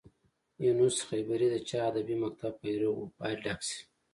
یونس خیبري د چا ادبي مکتب پيرو و باید ډک شي.